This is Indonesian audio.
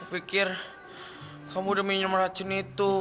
aku pikir kamu udah minum racun itu